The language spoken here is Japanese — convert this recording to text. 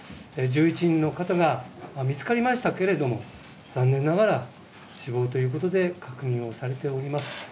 １１人の方が、見つかりましたけれども、残念ながら、死亡ということで確認をされております。